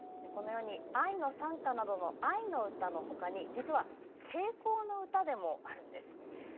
「愛の讃歌」などの愛の歌のほかに実は抵抗の歌もあるんです。